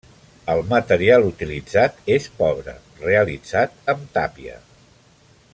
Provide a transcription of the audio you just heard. El material utilitzat és pobre, realitzat amb tàpia.